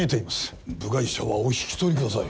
部外者はお引き取りください。